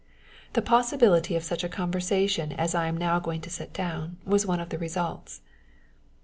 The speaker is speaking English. The possibility of such a conversation as I am now going to set down was one of the results.